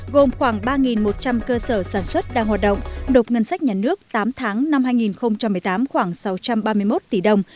gồm khoảng ba một trăm linh cơ sở sản xuất đang hoạt động đột ngân sách nhà nước tám tháng năm hai nghìn một mươi tám khoảng sáu trăm ba mươi một tỷ đồng